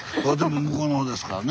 向こうの方ですからね。